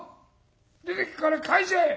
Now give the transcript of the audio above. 出ていくから返せ！